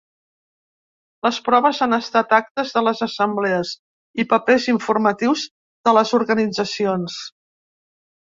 Les proves han estat actes de les assemblees i papers informatius de les organitzacions.